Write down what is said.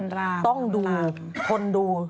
มันราบมันต้ามันตาต้องทนดู